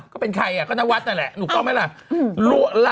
ก็เป็นใครอ่ะก็นาวัดนั่นแหละหนูก้อมั้ยล่ะ